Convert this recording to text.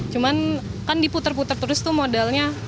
cuman kan diputer puter terus tuh modalnya